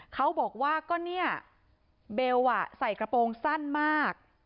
เขาบอกว่าก็เนี่ยเบลใส่กระโปรงสั้นมาก